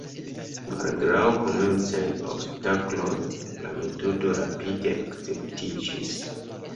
Malgraŭ komencaj obstakloj, la metodo rapide akceptiĝis.